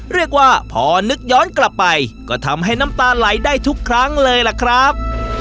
เรียกว่าพอนึกย้อนกลับไปก็ทำให้น้ำตาไหลได้ทุกครั้งเลยล่ะครับ